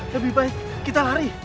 lebih baik kita lari